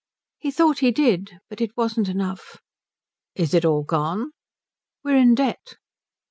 "He thought he did, but it wasn't enough." "Is it all gone?" "We're in debt."